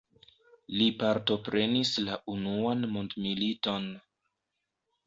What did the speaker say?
Li partoprenis la unuan mondmiliton.